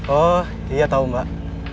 oh iya tau mbak